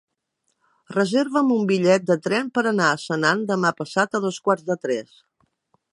Reserva'm un bitllet de tren per anar a Senan demà passat a dos quarts de tres.